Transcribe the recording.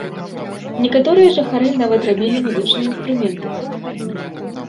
Некаторыя жыхары нават рабілі музычныя інструменты.